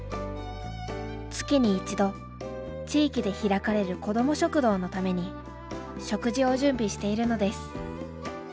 月に１度地域で開かれる子ども食堂のために食事を準備しているのです。